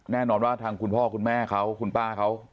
แน่นอนว่าทางคุณพ่อคุณแม่เขาคุณป้าเขา